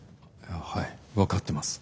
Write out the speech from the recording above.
はい分かってます。